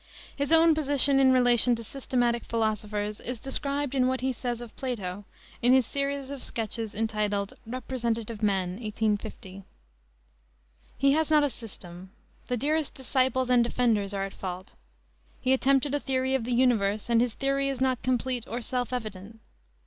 His own position in relation to systematic philosophers is described in what he says of Plato, in his series of sketches entitled Representative Men, 1850: "He has not a system. The dearest disciples and defenders are at fault. He attempted a theory of the universe, and his theory is not complete or self evident.